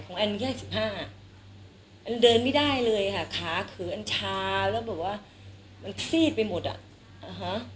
ของอันที่สิบห้าอันเดินไม่ได้เลยค่ะขาเขืออันช้ามันซีดไปหมดละ